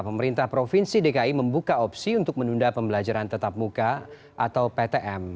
pemerintah provinsi dki membuka opsi untuk menunda pembelajaran tetap muka atau ptm